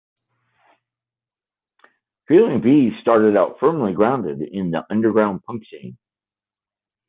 Feeling B started out firmly grounded in the underground punk scene.